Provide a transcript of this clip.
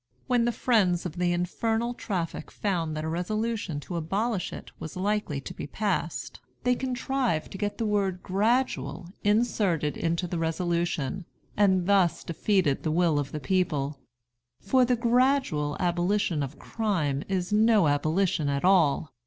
When the friends of the infernal traffic found that a resolution to abolish it was likely to be passed, they contrived to get the word "gradual" inserted into the resolution, and thus defeated the will of the people; for the gradual abolition of crime is no abolition at all.